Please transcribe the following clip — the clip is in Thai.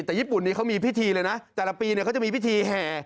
แต่ญี่ปุ่นนี้เขามีพิธีเลยนะแต่ละปีเขาจะมีพิธีแห่